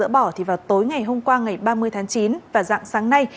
dỡ bỏ thì vào tối ngày hôm qua ngày ba mươi tháng chín và dạng sáng nay